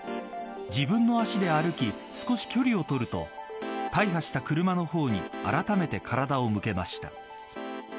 自分の足で歩き少し距離を取ると大破した車の方にあらためて体を向けました。